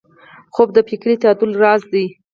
خوب د فکري تعادل راز دی